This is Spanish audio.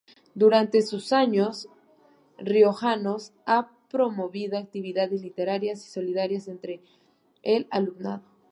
Durante sus años riojanos ha promovido actividades literarias y solidarias entre el alumnado.